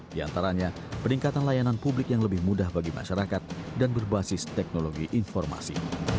di antaranya peningkatan layanan publik yang lebih mudah bagi masyarakat dan berbasis teknologi informasi